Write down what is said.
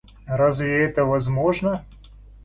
Разве это возможно?